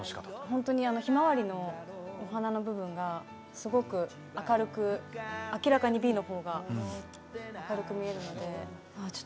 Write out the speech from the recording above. ホントにヒマワリのお花の部分がすごく明るく明らかにＢのほうが明るく見えるので。